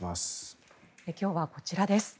今日はこちらです。